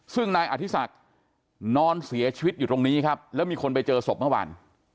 ซึ่งนายอธิศักดิ์นอนเสียชีวิตอยู่ตรงนี้ครับแล้วมีคนไปเจอศพเมื่อวาน